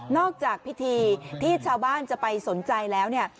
นอกจากพิธีที่ชาวบ้านจะไปสนใจแล้ว